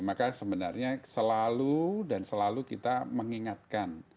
maka sebenarnya selalu dan selalu kita mengingatkan